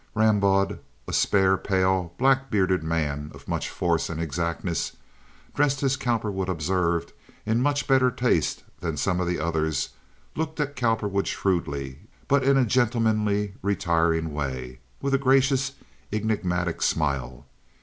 Rambaud—a spare, pale, black bearded man of much force and exactness, dressed, as Cowperwood observed, in much better taste than some of the others—looked at Cowperwood shrewdly but in a gentlemanly, retiring way, with a gracious, enigmatic smile.